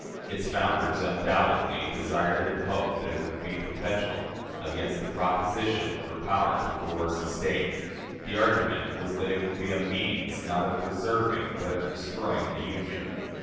Its founders undoubtedly desired and hoped that it would be perpetual; against the proposition for power to coerce a State, the argument was that it would be a means, not of preserving, but of destroying, the Union.